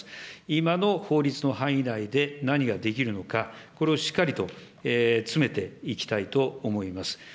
今の法律の範囲内で、何ができるのか、これをしっかりと詰めていきたいと思います。